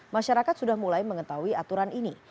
masyarakat sudah mulai mengetahui aturan ini